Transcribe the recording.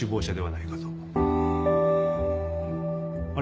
あれ？